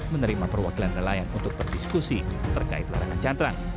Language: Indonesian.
menerima perwakilan nelayan untuk berdiskusi terkait larangan cantrang